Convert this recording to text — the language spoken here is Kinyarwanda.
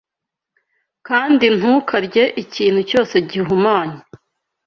kandi ntukarye ikintu cyose gihumanye